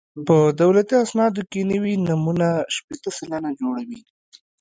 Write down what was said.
په دولتي اسنادو کې نوي نومونه شپېته سلنه جوړوي